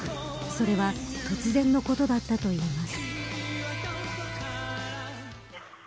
それは、突然のことだったといいます。